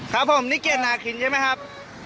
ครับผมนี่เกียรนาคินใช่ไหมครับ